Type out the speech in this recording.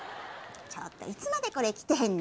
ちょっといつまでこれ着てんの？